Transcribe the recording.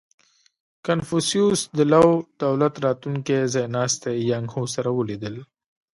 • کنفوسیوس د لو دولت راتلونکی ځایناستی یانګ هو سره ولیدل.